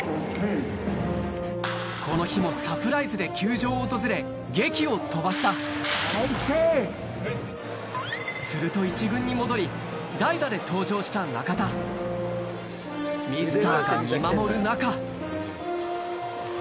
この日もサプライズで球場を訪れげきを飛ばしたすると一軍に戻り代打で登場した中田どうだ？